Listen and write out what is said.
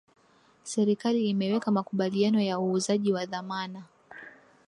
serikali imeweka makubaliano ya uuzaji wa dhamana